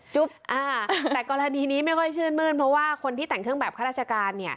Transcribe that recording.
แต่กรณีนี้ไม่ค่อยชื่นมื้นเพราะว่าคนที่แต่งเครื่องแบบข้าราชการ